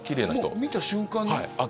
もう見た瞬間に？